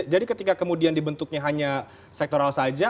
jadi ketika kemudian dibentuknya hanya sektoral saja